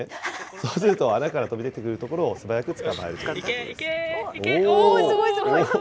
そうすると穴から飛び出てくるところを素早く捕まえるということです。